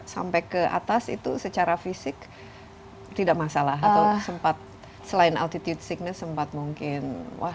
sampai ke atas itu secara fisik tidak masalah atau sempat selain altitude sickness sempat mungkin wah